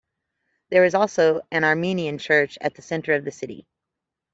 There is also an Armenian church at the center of the city.